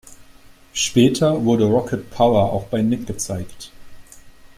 Später wurde "Rocket Power" auch bei Nick gezeigt.